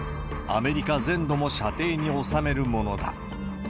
アメリカ全土も射程に収めるものだ。